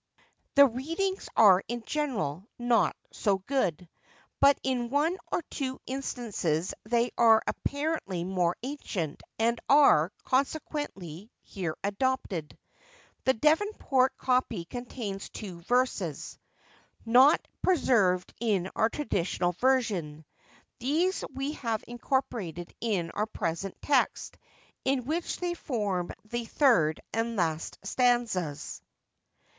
The readings are in general not so good; but in one or two instances they are apparently more ancient, and are, consequently, here adopted. The Devonport copy contains two verses, not preserved in our traditional version. These we have incorporated in our present text, in which they form the third and last stanzas.